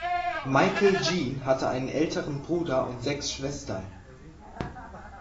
Michael-Jean hatte einen älteren Bruder und sechs Schwestern.